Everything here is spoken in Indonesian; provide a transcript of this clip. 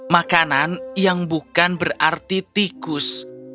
makanan yang bukan berarti tikus